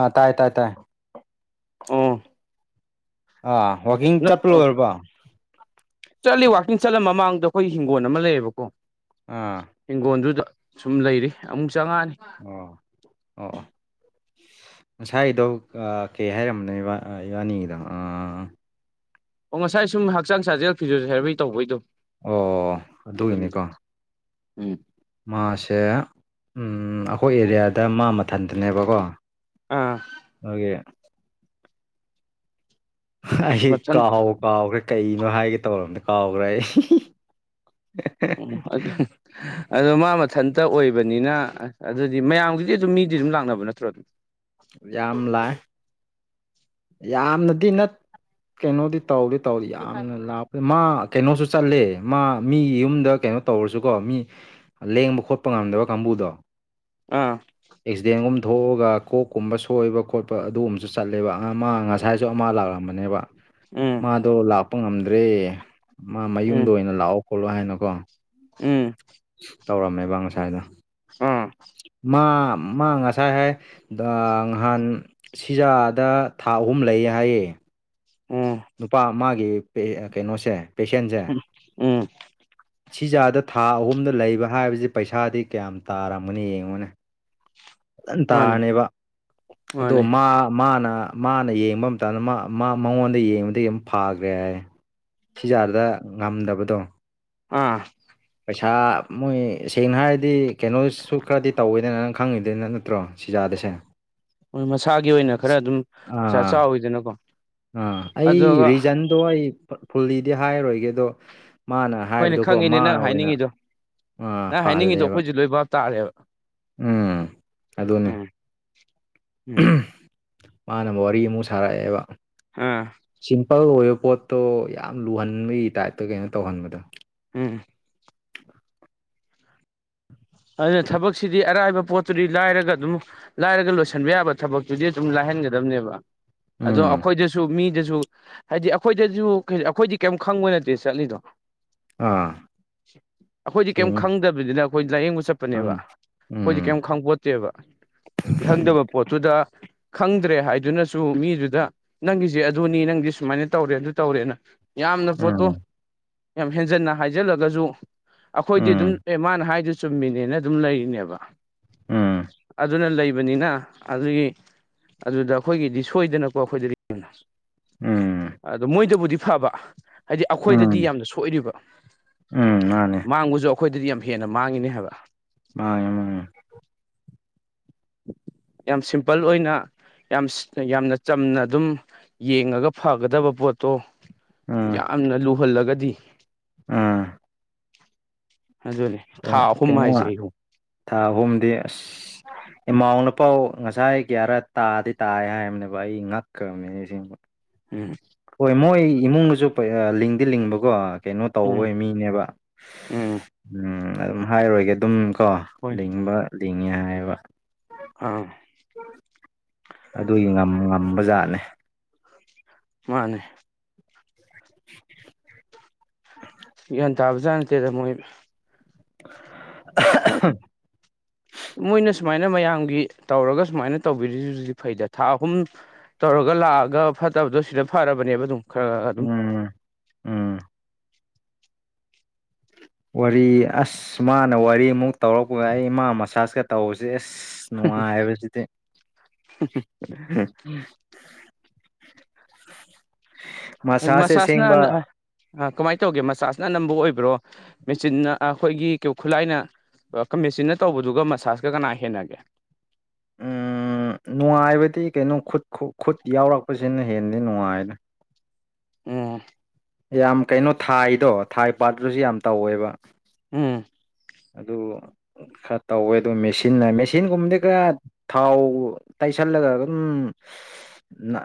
ꯑ ꯇꯥꯏ ꯇꯥꯏ ꯇꯥꯏ ꯑꯣ ꯑꯥ ꯋꯥꯛꯀꯤꯡ ꯆꯠꯄ ꯂꯣꯏꯔꯕꯣ ꯆꯠꯂꯤ ꯋꯥꯛꯀꯤꯡ ꯆꯠꯂꯝ ꯃꯃꯥꯡꯗ ꯑꯩꯈꯣꯏꯒꯤ ꯍꯤꯡꯒꯣꯜ ꯑꯃ ꯂꯩꯌꯦꯕꯀꯣ ꯑꯥ ꯍꯤꯡꯒꯣꯜꯗꯨꯗ ꯁꯨꯝ ꯂꯩꯔꯤ ꯑꯃꯨꯛ ꯆꯪꯉꯛꯑꯅꯤ ꯑꯣ ꯑꯣ ꯉꯁꯥꯏꯗꯣ ꯀ ꯀꯩ ꯍꯥꯏꯔꯝꯕꯅꯦꯕ ꯏꯕꯥꯅꯤꯒꯤꯗꯣ ꯑꯥ ꯑꯣ ꯉꯁꯥꯏ ꯁꯨꯝ ꯍꯛꯆꯥꯡ ꯁꯥꯖꯦꯜ ꯐꯤꯖꯣꯊꯦꯔꯥꯄꯤ ꯇꯧꯕꯩꯗꯣ ꯑꯣ ꯑꯗꯨꯅꯤꯗ ꯑꯗꯨꯒꯤꯅꯤꯀꯣ ꯎꯝ ꯃꯥꯁꯦ ꯎꯝ ꯑꯩꯈꯣꯏ ꯑꯦꯔꯤꯌꯥꯗ ꯃꯥ ꯃꯊꯟꯇꯅꯦꯕꯀꯣ ꯑꯥ ꯍꯣꯏꯌꯦ ꯑꯁ ꯑꯩ ꯃꯊꯟ ꯀꯥꯥꯎ ꯀꯥꯎꯒ꯭ꯔꯦ ꯀꯩꯅꯣ ꯍꯥꯏꯒꯦ ꯇꯧꯔꯝꯗꯣ ꯀꯥꯎꯒ꯭ꯔꯦ ꯑꯩ [unintelligible] ꯑꯗꯣ ꯃꯥ ꯃꯊꯟꯇ ꯑꯣꯏꯕꯅꯤꯅ ꯑꯗꯨꯗꯤ ꯃꯌꯥꯝꯒꯤꯗꯤ ꯑꯗꯨꯝ ꯃꯤꯗꯤ ꯑꯗꯨꯝ ꯂꯥꯛꯅꯕ ꯅꯠꯇ꯭ꯔꯣ ꯑꯗꯨꯝ ꯌꯥꯝ ꯂꯥꯛꯑꯦ ꯌꯥꯝꯅꯗꯤ ꯅꯠ ꯀꯩꯅꯣꯗꯤ ꯇꯧꯗꯤ ꯇꯧꯗꯤ ꯇꯧꯗꯦ ꯌꯥꯝꯅ ꯂꯥꯞ ꯃꯥ ꯀꯩꯅꯣꯁꯨ ꯆꯠꯂꯦ ꯃꯥ ꯃꯤ ꯌꯨꯝꯗ ꯀꯩꯅꯣ ꯇꯧꯔꯁꯨꯀꯣ ꯃꯤ ꯂꯦꯡꯕ ꯈꯣꯠꯄ ꯉꯝꯗꯕ ꯀꯥꯡꯕꯨꯗꯣ ꯑꯥ ꯑꯦꯛꯁꯤꯗꯦꯟꯒꯨꯝ ꯊꯣꯛꯑꯒ ꯀꯣꯛꯀꯨꯝꯕ ꯁꯣꯏꯕ ꯈꯣꯠꯄ ꯑꯗꯨꯒꯨꯝꯕꯁꯨ ꯆꯠꯂꯦꯕ ꯑꯃ ꯉꯁꯥꯏꯁꯨ ꯑꯃ ꯂꯥꯛꯂꯝꯕꯅꯦꯕ ꯎꯝ ꯃꯥꯗꯣ ꯂꯥꯛꯄ ꯉꯝꯗ꯭ꯔꯦ ꯃꯥ ꯎꯝ ꯃꯌꯨꯝꯗ ꯑꯣꯏꯅ ꯂꯥꯛꯑꯣ ꯈꯣꯠꯂꯣ ꯍꯥꯏꯅꯀꯣ ꯎꯝ ꯇꯧꯔꯝꯃꯦꯕ ꯉꯁꯥꯏꯗꯣ ꯑꯪ ꯃꯥꯝ ꯃꯥ ꯉꯁꯥꯏ ꯍꯥꯏ ꯗꯥ ꯉꯍꯥꯟ ꯁꯤꯖꯥꯗ ꯊꯥ ꯑꯍꯨꯝ ꯂꯩꯌꯦ ꯍꯥꯏꯌꯦ ꯎꯝ ꯅꯨꯄꯥ ꯃꯥꯒꯤ ꯀꯩ ꯑ ꯀꯩꯅꯣꯁꯦ ꯄꯦꯁꯦꯟꯖꯦ ꯎꯝ ꯁꯤꯖꯥꯗ ꯊꯥ ꯑꯍꯨꯝꯗ ꯂꯩꯕ ꯍꯥꯏꯕꯖꯦ ꯄꯩꯁꯥꯗꯤ ꯀꯌꯥꯝ ꯇꯥꯔꯝꯒꯅꯤ ꯌꯦꯡꯉꯨꯅꯦ [inaudible] [unintelligible] ꯐꯖꯅ ꯃꯥꯅꯦ ꯇꯥꯔꯅꯦꯕ ꯑꯗꯣ ꯃꯥꯅꯦ ꯃꯥ ꯃꯥꯅ ꯃꯥꯅ ꯌꯦꯡꯕ ꯃꯇꯝꯗ ꯃꯥ ꯃꯥ ꯃꯉꯣꯟꯗ ꯌꯦꯡꯕꯗꯩ ꯎꯝ ꯐꯥꯒ꯭ꯔꯦ ꯍꯥꯏ ꯁꯤꯖꯥꯗꯨꯗ ꯉꯝꯗꯕꯗꯣ ꯑꯥ ꯄꯩꯁꯥ ꯃꯣꯏ ꯁꯦꯡꯅ ꯍꯥꯏꯔꯗꯤ ꯀꯩꯅꯣꯁꯨ ꯈꯔꯗꯤ ꯇꯧꯋꯦꯗꯅ ꯅꯪ ꯈꯪꯉꯤꯗꯅ ꯅꯠꯇ꯭ꯔꯣ ꯁꯤꯖꯥꯗꯁꯦ ꯎꯝ ꯃꯁꯥꯒꯤ ꯑꯣꯏꯅ ꯈꯔ ꯑꯗꯨꯝ ꯄꯩꯁꯥ ꯑꯥ ꯆꯥꯎꯋꯤꯗꯅꯀꯣ ꯑꯗꯨꯒ ꯂꯣꯏ ꯐ ꯐꯨꯜꯂꯤꯗꯤ ꯍꯥꯏꯔꯣꯏꯒꯦ ꯑꯗꯣ ꯃꯥꯅ ꯍꯣꯏꯅꯦ ꯍꯥꯏꯕꯗꯣꯀꯣ ꯈꯪꯉꯤꯅꯦ ꯃꯥ ꯅꯪ ꯑꯣꯏꯅ ꯍꯥꯏꯅꯤꯡꯉꯤꯗꯣ ꯑ ꯅꯪ ꯍꯥꯏꯅꯤꯡꯉꯤꯗꯣ ꯐꯍꯜꯂꯦꯕ ꯑꯩꯈꯣꯏꯁꯨ ꯂꯣꯏ ꯚꯥꯞ ꯇꯥꯔꯦꯕ ꯎꯝ ꯑꯗꯨꯅꯦ ꯎꯝ ꯎꯝ ꯃꯥꯅ ꯋꯥꯔꯤ ꯑꯃꯨꯛ ꯁꯥꯔꯛꯑꯦꯕ ꯑꯥ ꯂꯧꯔꯣꯏꯌꯦ ꯄꯣꯠꯇꯣ ꯌꯥꯝ ꯂꯨꯍꯟꯕꯒꯤ ꯇꯥꯏꯞꯇ ꯀꯩꯅꯣ ꯇꯧꯍꯟꯕꯗꯣ ꯎꯝ ꯑꯗꯨꯅ ꯊꯕꯛꯁꯤꯗꯤ ꯑꯔꯥꯏꯕ ꯄꯣꯠꯇꯨꯗꯤ ꯂꯥꯏꯔꯒ ꯑꯗꯨꯝ ꯂꯥꯏꯔꯒ ꯂꯣꯏꯁꯟꯕ ꯌꯥꯕ ꯊꯕꯛꯇꯨꯗꯤ ꯑꯗꯨꯝ ꯂꯥꯏꯍꯟꯒꯗꯕꯅꯦꯕ ꯑꯗꯣ ꯎꯝ ꯑꯩꯈꯣꯏꯗꯁꯨ ꯃꯤꯗꯁꯨ ꯍꯥꯏꯗꯤ ꯑꯩꯈꯣꯏꯗꯁꯨ ꯀꯩ ꯑꯩꯈꯣꯏꯗꯤ ꯀꯩꯝ ꯈꯪꯕ ꯅꯠꯇꯦ ꯆꯠꯂꯤꯗꯣ ꯑꯥ ꯑꯩꯈꯣꯏꯗꯤ ꯀꯩꯝ ꯁꯦꯡꯉꯦ ꯈꯪꯗꯕꯅꯤꯅ ꯑꯩꯈꯣꯏꯗꯤ ꯂꯥꯏꯌꯦꯡꯕ ꯆꯠꯄꯅꯦꯕ ꯎꯝ ꯑꯩꯈꯣꯏꯗꯤ ꯎꯝ ꯀꯩꯝ ꯈꯪꯄꯣꯠꯇꯦꯕ ꯈꯪꯗꯕ ꯄꯣꯠ ꯄꯣꯠꯇꯨꯗ ꯈꯪꯗ꯭ꯔꯦ ꯍꯥꯏꯗꯨꯅꯁꯨ ꯃꯤꯗꯨꯗ ꯅꯪꯒꯤꯁꯦ ꯑꯗꯨꯅꯤ ꯅꯪꯗꯤ ꯁꯨꯃꯥꯏꯅ ꯇꯧꯔꯦ ꯑꯗꯨ ꯇꯧꯔꯦꯅ ꯌꯥꯝꯅ ꯄꯣꯠꯇꯣ ꯎꯝ ꯌꯥꯝ ꯍꯦꯟꯖꯟꯅ ꯍꯥꯏꯖꯜꯂꯒꯁꯨ ꯑꯩꯈꯣꯏꯗꯤ ꯑꯗꯨꯝ ꯎꯝ ꯑꯦ ꯃꯥꯅ ꯍꯥꯏꯗꯨ ꯆꯨꯝꯃꯤꯅꯦꯅ ꯑꯗꯨꯝ ꯂꯩꯔꯤꯅꯦꯕ ꯎꯝ ꯑꯗꯨꯅ ꯂꯩꯕꯅꯤꯅ ꯑꯗꯨꯒꯤ ꯑꯗꯨꯗ ꯑꯩꯈꯣꯏꯒꯤꯗꯤ ꯁꯣꯏꯗꯅꯀꯣ ꯑꯩꯈꯣꯏꯗꯗꯤ ꯌꯥꯝꯅ ꯎꯝ ꯑꯗꯣ ꯃꯣꯏꯗꯨꯕꯨꯗꯤ ꯐꯕ ꯍꯥꯏꯗꯤ ꯑꯩꯈꯣꯏꯗꯗꯤ ꯎꯝ ꯌꯥꯝꯅ ꯁꯣꯏꯔꯤꯕ ꯎꯝ ꯃꯥꯅꯦ ꯃꯥꯡꯕꯖꯨ ꯑꯩꯈꯣꯏꯗꯗꯤ ꯌꯥꯝ ꯍꯦꯟꯅ ꯃꯥꯡꯉꯤꯅꯦ ꯍꯥꯏꯕ ꯃ [unintelligible] ꯌꯥꯝ ꯁꯤꯝꯄꯜ ꯑꯣꯏꯅ ꯌꯥꯝ ꯌꯥꯝꯅ ꯆꯝꯅ ꯑꯗꯨꯝ ꯌꯦꯡꯉꯒ ꯐꯒꯗꯕ ꯄꯣꯠꯇꯣ ꯎꯝ ꯌꯥꯝꯅ ꯂꯨꯍꯜꯂꯒꯗꯤ ꯎꯝ ꯑꯗꯨꯅꯤ ꯀꯩꯅꯣ ꯀꯩꯅꯣ ꯊꯥ ꯑꯍꯨꯝꯗꯤ ꯑꯁ ꯏꯃꯥꯎ ꯅꯄꯥꯎ ꯉꯁꯥꯏ ꯀ꯭ꯌꯥꯔꯠ ꯇꯥꯗꯤ ꯇꯥꯏ ꯍꯥꯏꯕꯅꯦꯕ ꯑꯩ ꯉꯛꯈ꯭ꯔꯕꯅꯦ ꯑꯁꯦꯡꯕ ꯎꯝ ꯍꯣꯏ ꯃꯣꯏ ꯏꯃꯨꯡꯅꯁꯨ ꯂꯤꯡꯗꯤ ꯂꯤꯡꯕꯀꯣ ꯀꯩꯅꯣ ꯎꯝ ꯇꯧꯋꯦ ꯃꯤ ꯅꯦꯕ ꯎꯝ ꯎꯝ ꯑꯗꯨꯝ ꯍꯥꯏꯔꯔꯣꯏꯒꯦ ꯑꯗꯨꯝ ꯀꯣ ꯍꯣꯏ ꯂꯤꯡꯕ ꯂꯤꯡꯉꯦ ꯍꯥꯏꯕ ꯑꯥ ꯑꯗꯨꯒꯤ ꯉꯝ ꯉꯝꯕ ꯖꯥꯠꯅꯦ ꯃꯥꯅꯦ [inaudible] ꯒ꯭ꯌꯥꯟ ꯇꯥꯕ ꯖꯥꯠ ꯅꯠꯇꯦꯗ ꯃꯣꯏ [unintelligible] ꯍꯣ [unintelligible] ꯃꯣꯏꯅ ꯁꯨꯃꯥꯏꯅ ꯃꯌꯥꯝꯒꯤ ꯇꯧꯔꯒ ꯁꯨꯃꯥꯏꯅ ꯇꯧꯕꯤꯔꯤꯖꯤꯖꯨ ꯐꯩꯗ ꯊꯥ ꯑꯍꯨꯝ ꯇꯧꯔꯒ ꯂꯥꯛꯑꯒ ꯐꯠꯇꯕꯗꯣ ꯁꯤꯗ ꯐꯔꯕꯅꯦꯕ ꯑꯗꯨꯝ ꯈꯔ ꯈꯔ ꯑꯗꯨꯝ ꯎꯝ ꯎꯝ ꯋꯥꯔꯤ ꯑꯁ ꯃꯥꯅ ꯋꯥꯔꯤꯃꯨꯛ ꯇꯧꯔꯛꯄꯒ ꯑꯩ ꯏꯃꯥ ꯃꯁꯥꯥꯁꯀ ꯇꯧꯕꯁꯦ ꯑꯦꯁ ꯅꯨꯡꯉꯥꯏꯕꯁꯤꯗꯤ ꯃꯁꯥꯁꯁꯦ ꯑꯁꯦꯡꯕ ꯃꯁꯥꯁꯅ ꯑ ꯀꯃꯥꯏ ꯇꯧꯒꯦ ꯃꯁꯥꯁꯅ ꯑꯅꯝꯕ ꯑꯣꯏꯕ꯭ꯔꯣ ꯃꯦꯆꯤꯟꯅ ꯑ ꯑꯩꯈꯣꯏꯒꯤ ꯈꯨꯠꯂꯥꯏꯅ ꯑ ꯀ ꯃꯦꯆꯤꯟꯅ ꯇꯧꯕꯗꯨꯒ ꯃꯁꯥꯥꯁꯀ ꯀꯅꯥ ꯍꯦꯟꯅꯒꯦ ꯎꯝ ꯅꯨꯡꯉꯥꯏꯕꯗꯤ ꯀꯩꯅꯣ ꯈꯨꯠ ꯈꯨꯠ ꯌꯥꯎꯔꯛꯄꯁꯤꯅ ꯍꯦꯟꯗꯤ ꯅꯨꯡꯉꯥꯏꯅ ꯎꯝ ꯌꯥꯝ ꯀꯩꯅꯣ ꯊꯥꯏꯗꯣ ꯊꯥꯏ ꯄꯥꯠꯇꯔꯁꯨ ꯌꯥꯝ ꯇꯧꯋꯦꯕ ꯎꯝ ꯑꯗꯨ ꯈꯔ ꯇꯧꯋꯦ ꯑꯗꯨ ꯃꯦꯆꯤꯟꯅ ꯃꯦꯆꯤꯟꯒꯨꯝꯕꯗꯤ [unintelligible] ꯊꯥꯎ ꯇꯩꯁꯜꯂꯒ ꯑꯗꯨꯝ ꯅ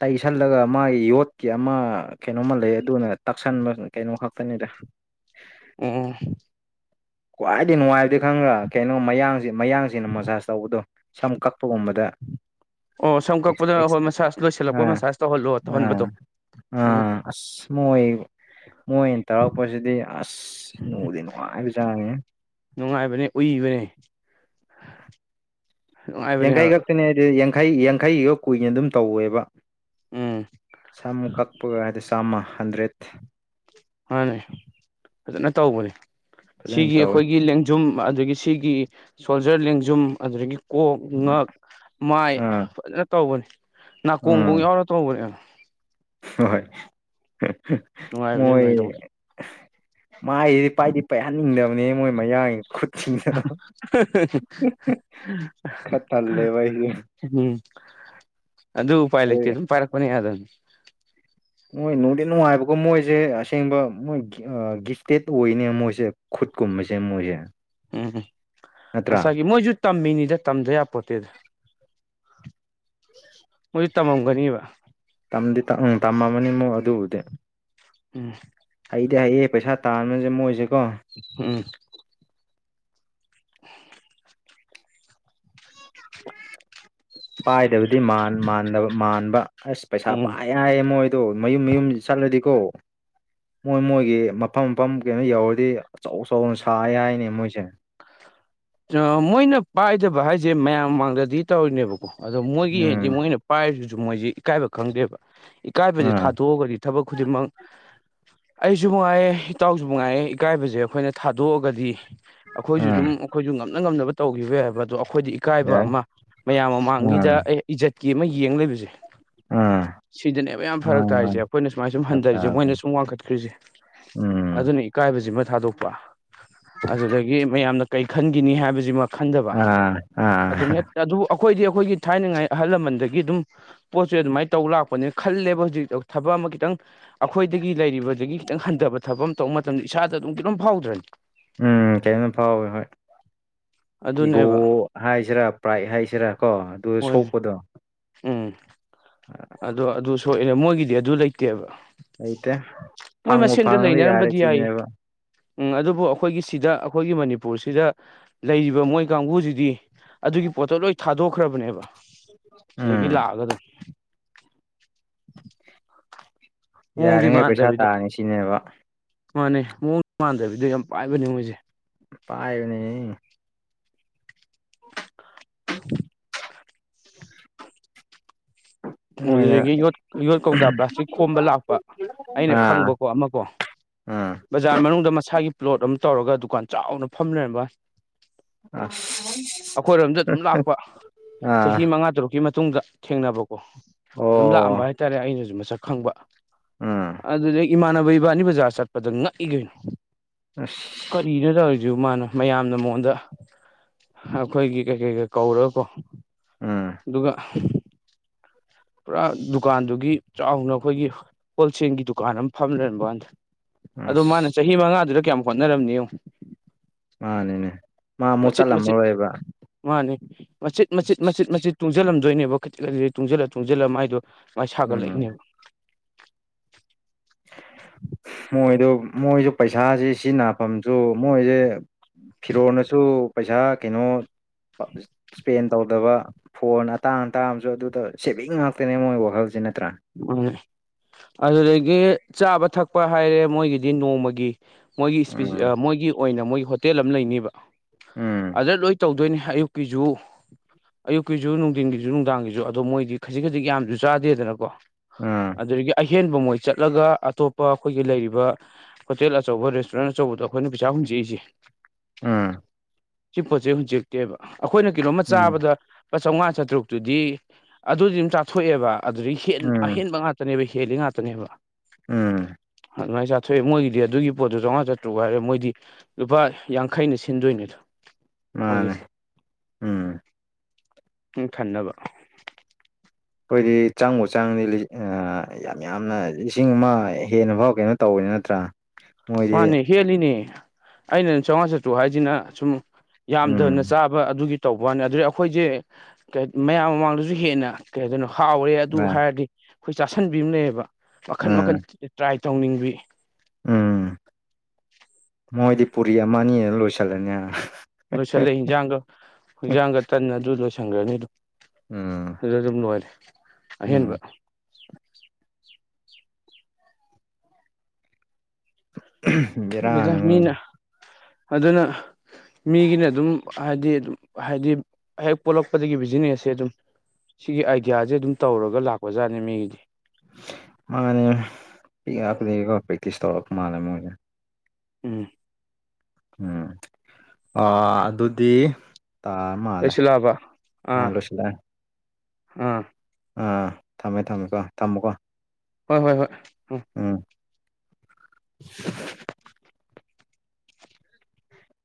ꯇꯩꯁꯜꯂꯒ ꯃꯥꯒꯤ ꯌꯣꯠꯀꯤ ꯑꯃ ꯀꯩꯅꯣꯃ ꯂꯩꯌꯦ ꯑꯗꯨꯅ ꯇꯛꯁꯟꯕ ꯀꯩꯅꯣ ꯈꯛꯇꯅꯤꯗ ꯑꯣ ꯈ꯭ꯋꯥꯏꯗꯒꯤ ꯅꯨꯡꯉꯥꯏꯕꯗꯤ ꯈꯪꯉꯔꯥ ꯀꯩꯅꯣ ꯃꯌꯥꯡꯁꯤ ꯃꯌꯥꯡꯁꯤꯡꯅ ꯃꯁꯥꯖ ꯇꯧꯕꯗꯣ ꯁꯝ ꯀꯛꯄꯒꯨꯝꯕꯗ ꯑꯣ ꯁꯝ ꯀꯛꯄꯗ ꯍꯣꯏ [unintelligible] ꯑ ꯃꯁꯥꯁ ꯑ ꯂꯣꯏꯁꯤꯜꯂꯛꯄ ꯃꯁꯥꯁ ꯇꯧꯍꯜꯂꯣ ꯇꯧꯍꯟꯕꯗꯣ ꯑ ꯎꯝ ꯑꯁ ꯃꯣꯏ ꯃꯣꯏꯅ ꯇꯧꯔꯛꯄꯁꯤꯗꯤ ꯑꯁ ꯅꯨꯡꯗꯤ ꯅꯨꯡꯉꯥꯏꯕꯖꯥꯠꯅꯤ ꯅꯨꯡꯉꯥꯏꯕꯅꯦ ꯎꯏꯕꯅꯦ ꯅꯨꯡꯉꯥꯏꯕꯅꯦ ꯌꯥꯡꯈꯩ ꯍꯥꯏꯕ ꯈꯛꯇꯅꯦ [unintelligible] ꯌꯥꯡꯈꯩ ꯌꯥꯡꯈꯩꯒꯤ ꯀꯨꯏꯅ ꯑꯗꯨꯝ ꯇꯧꯋꯦꯕ ꯎꯝ ꯁꯝ ꯀꯛꯄꯒ ꯍꯥꯏꯗꯤ ꯆꯥꯝꯃ ꯍꯟꯗ꯭ꯔꯦꯠ ꯃꯥꯅꯦ ꯐꯖꯅ ꯇꯧꯕꯅꯦ ꯐꯖꯅ ꯁꯤꯒꯤ ꯇꯧꯋꯦ ꯑꯩꯈꯣꯏꯒꯤ ꯂꯦꯡ ꯖꯨꯝ ꯑꯗꯒꯤ ꯁꯤꯒꯤ ꯁꯣꯜꯖꯔ ꯂꯦꯡꯖꯨꯝ ꯑꯗꯨꯗꯒꯤ ꯀꯣꯛ ꯉꯛ ꯃꯥꯏ ꯑꯥ ꯐꯖꯅ ꯇꯧꯕꯅꯤ ꯑꯥ ꯅꯥꯀꯣꯡꯕꯧ ꯌꯥꯎꯔꯒ ꯇꯧꯕꯅꯦ ꯍꯣꯏ ꯅꯨꯡꯉꯥꯏꯕꯅꯦ ꯃꯣꯏ ꯑꯗꯨꯃꯥꯏꯅ ꯇꯧꯕꯅꯦ ꯃꯥꯏꯖꯤ ꯄꯥꯏꯗꯤ ꯄꯥꯏꯍꯟꯅꯤꯡꯗꯕꯅꯦ ꯃꯣꯏ ꯃꯌꯥꯡ ꯅ ꯈꯇꯔ ꯂꯩꯦꯕ ꯍ ꯎꯝ ꯑꯗꯨ ꯎꯄꯥꯏ ꯂꯩꯇꯦ ꯑꯗꯨꯒꯤ ꯑꯗꯨꯝ ꯄꯥꯏꯔꯛꯄꯅꯦ ꯌꯥꯗꯕꯅꯤ ꯃꯣꯏ ꯅꯨꯡꯗꯤ ꯅꯨꯡꯉꯥꯏꯕꯀꯣ ꯃꯣꯏꯁꯦ ꯑꯁꯦꯡꯕ ꯃꯣꯏ ꯒꯤꯐꯇꯦꯠ ꯑꯣꯏꯅꯦ ꯃꯣꯏꯁꯦ ꯈꯨꯠꯀꯨꯝꯕꯁꯦ ꯃꯣꯏꯁꯦ ꯎꯝ ꯎꯝ ꯅꯠꯇ꯭ꯔꯥ ꯃꯁꯥꯒꯤ ꯃꯣꯏꯁꯨ ꯇꯝꯃꯤꯅꯤꯗ ꯇꯝꯗ ꯌꯥꯄꯣꯠꯇꯦꯗ ꯎ ꯃꯣꯏꯁꯨ ꯇꯝꯃꯝꯒꯅꯤꯕ ꯝꯗꯤ ꯇꯝꯃꯝꯃꯅꯤ ꯃꯨ ꯑꯗꯨꯕꯨꯗꯤ ꯎꯝ ꯍꯩꯗꯤ ꯍꯩꯌꯦ ꯄꯩꯁꯥ ꯇꯥꯟꯕꯅꯁꯦ ꯃꯣꯏꯁꯦꯀꯣ ꯎꯝ ꯄꯥꯏꯗꯕꯗꯤ ꯃꯥꯟꯕ ꯑꯁ ꯄꯩꯁꯥ ꯄꯥꯏ ꯑꯌꯥꯥꯏꯦꯝꯃꯣꯣꯏꯗꯣ ꯃꯌꯨꯝ ꯃꯌꯨꯝ ꯆꯠꯂꯗꯤꯀꯣ ꯃꯣꯏ ꯃꯣꯏꯒꯤ ꯃꯐꯝ ꯃꯐꯝ ꯀꯩꯅꯣ ꯌꯧꯔꯗꯤ ꯑꯆꯧ ꯑꯆꯧ ꯁ ꯍꯥꯏꯅꯤ ꯃꯣꯏꯁꯦ ꯃꯣꯏꯅ ꯄꯥꯏꯗꯕ ꯍꯥꯏꯁꯦ ꯃꯌꯥꯝ ꯃꯃꯥꯡꯗꯗꯤ ꯇꯧꯔꯤꯅꯦꯕꯀꯣ ꯑꯗꯣ ꯃꯣꯏꯒꯤ ꯍꯥꯏꯗꯤ ꯎꯝ ꯃꯣꯏꯅ ꯄꯥꯏꯔꯤꯁꯤꯁꯨ ꯃꯣꯏꯁꯤꯦ ꯏꯀꯥꯏꯕ ꯈꯪꯗꯦꯕ ꯏꯀꯥꯏꯕꯁꯦ ꯑꯥ ꯊꯥꯗꯣꯛꯑꯒꯗꯤ ꯊꯕꯛ ꯈꯨꯗꯤꯡꯃꯛ ꯑꯩꯁꯨ ꯅꯨꯡꯉꯥꯏꯌꯦꯦ ꯏꯇꯥꯎꯁꯨ ꯅꯨꯡꯉꯥꯏꯌꯦꯦ ꯏꯀꯥꯏꯕꯁꯦ ꯑꯩꯈꯣꯏꯅ ꯊꯥꯗꯣꯛꯑꯒꯗꯤ ꯑꯩꯈꯣꯏꯁꯨ ꯑꯗꯨꯝ ꯑꯥ ꯑꯩꯈꯣꯏꯁꯨ ꯉꯝꯅ ꯉꯝꯅꯕ ꯇꯧꯈꯤꯕ ꯌꯥꯏ ꯍꯥꯏꯕ ꯑꯗꯣ ꯑꯩꯈꯣꯏꯗꯤ ꯏꯀꯥꯏꯕ ꯌꯥꯏ ꯑꯃ ꯃꯌꯥꯝ ꯑꯥ ꯃꯃꯥꯡꯒꯤꯗ ꯑꯩ ꯏꯖꯠꯀꯤ ꯑꯃ ꯌꯦꯡ ꯂꯩꯕꯁꯦ ꯑꯥ ꯁꯤꯗꯅꯦꯕ ꯌꯥꯝ ꯐꯔꯛ ꯃꯥꯅꯤ ꯇꯥꯔꯤꯁꯦ ꯃꯥꯅꯤ ꯑꯩꯈꯣꯏꯅ ꯁꯨꯃꯥꯏꯅ ꯁꯨꯝ ꯆꯞ ꯍꯟꯊꯔꯤꯁꯦ ꯆꯥꯕꯁꯦ ꯃꯣꯏꯅ ꯁꯨꯝ ꯋꯥꯡꯈꯠꯈ꯭ꯔꯤꯁꯦ ꯎꯝ ꯑꯗꯨꯅ ꯏꯀꯥꯏꯕꯁꯤꯃ ꯊꯥꯗꯣꯛꯄ ꯑꯗꯨꯗꯒꯤ ꯃꯌꯥꯝꯅ ꯀꯩ ꯈꯟꯈꯤꯅꯤ ꯍꯥꯏꯕꯁꯤꯃ ꯈꯟꯗꯕ ꯑꯥ ꯑꯗꯨꯅꯦ ꯑꯥ ꯑꯗꯨꯕꯨ ꯑꯩꯈꯣꯏꯗꯤ ꯑꯩꯈꯣꯏꯒꯤ ꯊꯥꯏꯅꯉꯥꯏ ꯑꯍꯜ ꯂꯃꯟꯗꯒꯤ ꯑꯗꯨꯝ ꯄꯣꯠꯁꯦ ꯑꯗꯨꯃꯥꯏꯅ ꯇꯧ ꯂꯥꯛꯄꯅꯦꯅ ꯈꯜꯂꯦꯕ ꯍꯧꯖꯤꯛꯇ ꯊꯕꯛ ꯑꯃ ꯈꯤꯇꯪ ꯑꯩꯈꯣꯏꯗꯒꯤ ꯂꯩꯔꯤꯕꯗꯒꯤ ꯈꯤꯇꯪ ꯍꯟꯊꯕ ꯊꯕ ꯑꯃ ꯇꯧꯕ ꯃꯇꯝꯗ ꯏꯁꯥꯗ ꯑꯗꯨꯝ ꯤ ꯑꯗꯨꯝ ꯐꯥꯎꯗ꯭ꯔꯅꯤ ꯎꯝ ꯀꯩꯝ ꯐꯥꯎꯋꯤ ꯍꯣꯏ ꯏꯒꯣ ꯑꯗꯨꯅꯦꯕ ꯍꯥꯏꯁꯤꯔꯥ ꯄ꯭ꯔꯥꯏ ꯍꯥꯏꯁꯤꯔꯥ ꯀꯣ ꯑꯗꯨ ꯍꯣꯏꯅꯦ ꯁꯣꯛꯄꯗꯣ ꯎꯝ ꯎ ꯑꯗꯣ ꯑꯗꯨ ꯁꯣꯛꯔꯦ ꯃꯣꯏꯒꯤꯗꯤ ꯑꯗꯨ ꯂꯩꯇꯦꯕ ꯂꯩꯇꯦ ꯃꯣꯏ ꯐꯪꯕꯨ ꯃꯁꯦꯟꯗ ꯐꯪꯉꯗꯤ ꯌꯥꯔꯦ ꯂꯩꯅꯔꯝꯕꯗꯤ ꯌꯥꯏ ꯁꯤꯅꯦꯕ ꯎꯝ ꯑꯗꯨꯕꯨ ꯑꯩꯈꯣꯏꯒꯤ ꯁꯤꯗ ꯑꯩꯈꯣꯏꯒꯤ ꯃꯅꯤꯄꯨꯔꯁꯤꯗ ꯂꯩꯔꯤꯕ ꯃꯣꯏ ꯀꯥꯡꯕꯨꯁꯤꯗꯤ ꯑꯗꯨꯒꯤ ꯄꯣꯠꯇꯣ ꯂꯣꯏ ꯊꯥꯗꯣꯛꯈ꯭ꯔꯕꯅꯦꯕ ꯁꯤꯗꯒꯤ ꯎꯝ ꯂꯥꯛꯑꯒ ꯑꯗꯨꯝ ꯃꯑꯣꯡꯗꯤ ꯌꯥꯔꯤꯉꯩ ꯄꯩꯁꯥ ꯃꯥꯟꯗꯕꯤꯗ ꯇꯥꯅꯤ ꯁꯤꯅꯦꯕ ꯃꯥꯅꯦ ꯃꯑꯣꯡ ꯃꯥꯟꯗꯕꯤꯗ ꯌꯥꯝ ꯄꯥꯏꯕꯅꯦ ꯃꯣꯏꯁꯦ ꯄꯥꯏꯅꯤ [inaudible] [inaudible] ꯃꯣꯏꯅ ꯑꯗꯨꯗꯒꯤ ꯌꯣꯠ ꯌꯣꯠ ꯀꯧꯇꯥ ꯄ꯭ꯂꯥꯁꯇꯤꯛ ꯈꯣꯝꯕ ꯂꯥꯛꯄ ꯑꯩꯅ ꯑꯥ ꯈꯪꯕꯀꯣ ꯑꯃꯀꯣ ꯑꯥ ꯕꯖꯥꯔ ꯃꯅꯨꯡꯗ ꯃꯁꯥꯒꯤ ꯄ꯭ꯂꯣꯠ ꯑꯃ ꯇꯧꯔꯒ ꯗꯨꯀꯥꯟ ꯆꯥꯎꯅ ꯐꯝꯅꯔꯝꯕ ꯑꯁ ꯑꯩꯈꯣꯏꯔꯣꯝꯗ ꯑꯗꯨꯝ ꯂꯥꯛꯄ ꯑꯥ ꯆꯍꯤ ꯃꯉꯥ ꯇꯔꯨꯛꯀꯤ ꯃꯇꯨꯡꯗ ꯊꯦꯡꯅꯕꯀꯣ ꯑꯗꯨꯝ ꯂꯥꯛꯑꯝꯕ ꯑꯣ ꯍꯥꯏꯇꯥꯔꯦ ꯑꯩꯅꯁꯨ ꯃꯁꯛ ꯈꯪꯕ ꯎꯝ ꯑꯗꯨꯩ ꯏꯃꯥꯟꯅꯕ ꯏꯕꯥꯅꯤ ꯕꯖꯥꯔ ꯆꯠꯄꯗ ꯉꯛꯏꯗꯣꯏꯅꯣ ꯑꯁ ꯀꯔꯤꯅꯣ ꯇꯧꯔꯤꯁꯤ ꯃꯥꯅ ꯃꯌꯥꯝꯅ ꯃꯉꯣꯟꯗ ꯑꯩꯈꯣꯏꯒꯤ ꯀꯩꯀꯩꯒ ꯀꯧꯔꯀꯣ ꯎꯝ ꯑꯗꯨꯒ ꯄꯨꯔꯥ ꯗꯨꯀꯥꯟꯗꯨꯒꯤ ꯆꯥꯎꯅ ꯑꯩꯈꯣꯏꯒꯤ ꯍꯣꯜꯁꯦꯜꯒꯤ ꯗꯨꯀꯥꯟ ꯑꯃ ꯐꯝ ꯂꯩꯔꯝꯕ ꯀꯥꯟꯗ ꯑ ꯃꯥꯅ ꯑꯁ ꯆꯍꯤ ꯃꯉꯥꯗꯨꯗ ꯀꯌꯥꯝ ꯍꯣꯠꯅꯔꯝꯅꯤ ꯃꯥꯅꯦꯅꯦ ꯃꯆꯤꯠ ꯃꯆꯤꯠ ꯃꯥꯅꯦ ꯃꯆꯤꯠ ꯃꯆꯤꯠ ꯃꯆꯤꯠ ꯃꯆꯤꯠ ꯇꯨꯡꯁꯤꯜꯂꯝꯗꯣꯏꯅꯦꯕ ꯖꯤꯛ ꯀꯖꯤ ꯇꯨꯡꯁꯤꯜꯂ ꯇꯨꯡꯁꯤꯜꯂ ꯃꯥꯏꯗꯣ ꯃꯥꯏ ꯎꯝ ꯁꯥꯒꯠꯂꯛꯏꯅꯦꯕ ꯃꯣꯏꯗ ꯃꯣꯏꯁꯨ ꯄꯩꯁꯥꯥꯁꯦ ꯁꯤ ꯅꯥꯐꯝꯁꯨ ꯃꯣꯏꯁꯦ ꯐꯤꯔꯣꯅꯁꯨ ꯄꯩꯁꯥ ꯀꯩꯅꯣ ꯏꯁꯄꯦꯟ ꯇꯧꯗꯕ ꯐꯣꯟ ꯑꯇꯥꯡ ꯑꯇꯥꯥꯡꯕꯁꯨ ꯑꯗꯨꯗ ꯁꯦꯚꯤꯡ ꯉꯥꯛꯇꯅꯦ ꯃꯣꯏ ꯋꯥꯈꯜꯁꯦ ꯅꯠꯇ꯭ꯔꯥ ꯎꯝ ꯑꯗꯨꯗꯒꯤ ꯆꯥꯕ ꯊꯛꯄ ꯍꯥꯏꯔꯦ ꯃꯣꯏꯒꯤꯗꯤ ꯅꯣꯡꯃꯒꯤ ꯃꯣꯏꯒꯤ ꯏꯁꯄꯤ ꯎꯝ ꯃꯣꯏꯒꯤ ꯑꯣꯏꯅ ꯃꯣꯏꯒꯤ ꯍꯣꯇꯦꯜ ꯑꯃ ꯂꯩꯅꯤꯕ ꯎꯝ ꯑꯗ ꯂꯣꯏ ꯇꯧꯗꯣꯏꯅꯦ ꯑꯌꯨꯛꯀꯤꯁꯨ ꯑꯌꯨꯛꯀꯤꯁꯨ ꯅꯨꯡꯊꯤꯟꯒꯤꯁꯨ ꯅꯨꯡꯗꯥꯡꯒꯤꯁꯨ ꯑꯗꯣ ꯃꯣꯏꯗꯤ ꯈꯖꯤꯛ ꯈꯖꯤꯛ ꯌꯥꯝꯁꯨ ꯆꯥꯗꯦꯗꯅꯀꯣ ꯎꯝ ꯑꯗꯨꯗꯒꯤ ꯑꯍꯦꯟꯕ ꯃꯣꯏ ꯆꯠꯂꯒ ꯑꯇꯣꯞꯄ ꯑꯩꯈꯣꯏꯒꯤ ꯂꯩꯔꯤꯕ ꯍꯣꯇꯦꯜ ꯑꯆꯧꯕ ꯔꯦꯁꯇꯨꯔꯦꯟ ꯑꯆꯧꯕꯗꯣ ꯑꯩꯈꯣꯏꯅ ꯄꯩꯥ ꯍꯨꯝꯖꯏꯁꯦ ꯎꯝ ꯁꯤ ꯄꯣꯠ ꯆꯩꯩ ꯍꯧꯨꯖꯤꯛꯇꯦꯕ ꯑꯩꯈꯣꯏꯅ ꯀꯤꯂꯣ ꯑꯃ ꯎꯝ ꯆꯥꯕꯗ ꯂꯨꯄꯥ ꯆꯝꯃꯉꯥ ꯆꯥꯇ꯭ꯔꯨꯛꯇꯨꯗꯤ ꯑꯗꯨꯗꯤ ꯑꯗꯨꯝ ꯆꯥꯊꯣꯛꯑꯦꯕ ꯑꯗꯨꯗꯒꯤ ꯍꯦꯟ ꯎꯝ ꯍꯕ ꯉꯥꯛꯇꯅꯦꯕ ꯍꯦꯜꯂꯤ ꯉꯥꯛꯇꯅꯦꯕ ꯎꯝ ꯑꯗꯨꯃꯥꯏꯅ ꯆꯥꯊꯣꯛꯑꯦ ꯃꯣꯏꯒꯤꯗꯤ ꯑꯗꯨꯒꯤ ꯄꯣꯠꯇꯣ ꯆꯥꯝꯃꯉꯥ ꯆꯇ꯭ꯔꯨ ꯍꯥꯏꯔꯦ ꯃꯣꯏꯗꯤ ꯂꯨꯄꯥ ꯌꯥꯡꯈꯩꯩꯅ ꯁꯤꯟꯗꯣꯏꯅꯦꯗ ꯃꯥꯅꯦ ꯑꯣꯏꯒꯤꯁꯦ ꯎꯝ ꯎ ꯈꯟꯅꯕ ꯑꯩꯈꯣꯏꯗꯤ ꯆꯪꯕ ꯆꯪꯗꯤ ꯌꯥꯝ ꯌꯥꯝꯅ ꯂꯤꯁꯤꯡ ꯑꯃ ꯍꯦꯟꯅ ꯐꯥꯎ ꯀꯩꯅꯣ ꯇꯧꯕꯅꯤ ꯅꯠꯇ꯭ꯔꯥ ꯃꯣꯏꯗꯤ ꯃꯥꯅꯦ ꯍꯦꯜꯂꯤꯅꯦ ꯑꯩꯅ ꯆꯥꯝꯃꯉꯥ ꯆꯥꯇ꯭ꯔꯨ ꯍꯥꯏꯁꯤꯅ ꯁꯨꯝ ꯌꯥꯝꯗꯅ ꯎꯝ ꯆꯥꯕ ꯑꯗꯨꯒꯤ ꯇꯧꯕꯩꯋꯥꯅ‌ꯦ ꯑꯗꯨ ꯑꯩꯈꯣꯏꯖ‌ꯦ‌ ꯃꯌꯥꯝ ꯃꯃꯥꯡꯗꯖꯨ ꯍꯦꯟꯅ ꯀꯩꯗꯅꯣ ꯍꯥꯎꯔꯦ ꯑꯗꯨ ꯑ ꯍꯥꯏꯔꯗꯤ ꯑꯩꯈꯣꯏ ꯆꯥꯁꯟꯕꯤꯕꯅꯦꯕ ꯃꯈꯟ ꯎꯝ ꯃꯈꯟ ꯇ꯭ꯔꯥꯏ ꯇꯧꯅꯤꯡꯕꯤ ꯎꯝ ꯃꯣꯏꯗꯤ ꯄꯨꯔꯤ ꯑꯃ ꯑꯅꯤꯅ ꯂꯣꯏꯁꯤꯜꯂꯅꯤ ꯂꯣꯏꯁꯤꯜꯂꯦ ꯍꯟꯖꯥꯡꯒ ꯍꯟꯖꯥꯡꯒ ꯇꯟꯅ ꯑꯗꯨ ꯂꯣꯏꯁꯤꯟꯈ꯭ꯔꯅꯤꯗꯣ ꯎꯝ ꯑꯗꯨ ꯑꯗꯨꯝ ꯅꯨꯡꯉꯥꯏꯔꯦ ꯑꯍꯦꯟꯕ ꯎꯝ ꯎꯝ ꯑꯗꯨꯗ ꯃꯤꯅ ꯑꯗꯨꯅ ꯃꯤꯒꯤꯅ ꯑꯗꯨꯝ ꯍꯥꯏꯗꯤ ꯑꯗꯨꯝ ꯍꯥꯏꯗꯤ ꯍꯦꯛ ꯄꯣꯛꯂꯛꯄꯗꯒꯤ ꯕꯤꯖꯤꯅꯦꯁꯁꯦ ꯑꯗꯨꯝ ꯁꯤꯒꯤ ꯑꯥꯏꯗꯤꯌꯥꯁꯦ ꯑꯗꯨꯝ ꯇꯧꯔꯒ ꯂꯥꯛꯄꯖꯥꯠꯅꯤ ꯃꯤꯒꯤꯗꯤ ꯃꯥꯅꯦ ꯄꯤ ꯂꯩꯔꯒ ꯄ꯭ꯔꯦꯛꯇꯤꯁ ꯇꯧꯔꯛꯄ ꯃꯥꯜꯂꯦ ꯃꯣꯏꯁꯦ ꯎꯝ ꯑ ꯑꯗꯨꯗꯤ ꯑ ꯀꯩꯁꯨ ꯂꯥꯕ ꯑꯥ ꯑꯥ ꯑꯥ ꯊꯝꯃꯦ ꯊꯝꯃꯦꯀꯣ ꯊꯝꯃꯨꯀꯣ ꯍꯣꯏ ꯍꯣꯏ ꯍꯣꯏ ꯎꯝ [unintelligible]